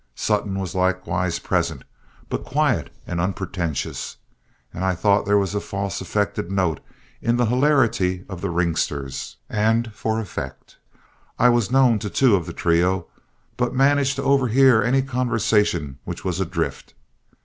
Sutton was likewise present, but quiet and unpretentious, and I thought there was a false, affected note in the hilarity of the ringsters, and for effect. I was known to two of the trio, but managed to overhear any conversation which was adrift.